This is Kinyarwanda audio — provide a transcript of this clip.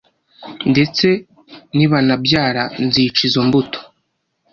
ndetse nibanabyara nzica izo mbuto.